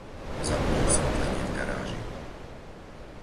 Zapni osvetlenie v garáži.